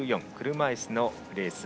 車いすのレース。